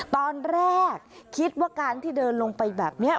ตอนแรกคิดว่าการที่เดินลงไปแบบนี้